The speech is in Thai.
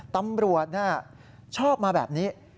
ตำรวจชอบมาแบบนี้